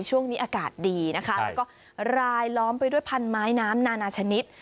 ช่วงนี้อากาศดีนะคะแล้วก็รายล้อมไปด้วยพันไม้น้ำนานาชนิด